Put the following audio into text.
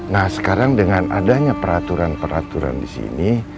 nah sekarang dengan adanya peraturan peraturan di sini